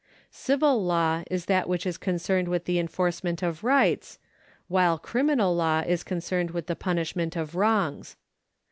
Civil law is that which is concerned with tlie enforcement of rights, while criminal law is concerned with the punishment of wrongs.